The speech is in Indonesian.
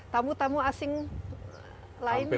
tamu tamu asing lain yang